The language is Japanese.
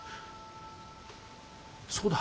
そうだ。